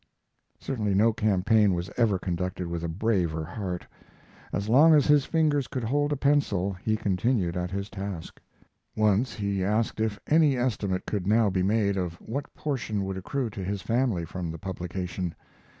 Certainly no campaign was ever conducted with a braver heart. As long as his fingers could hold a pencil he continued at his task. Once he asked if any estimate could now be made of what portion would accrue to his family from the publication.